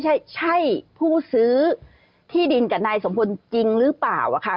ใช่ใช่ผู้ซื้อที่ดินกับนายสมพลจริงหรือเปล่าคะ